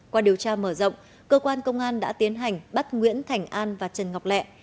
qua điều tra mở rộng cơ quan công an đã tiến hành bắt nguyễn thành an và trần ngọc lẹ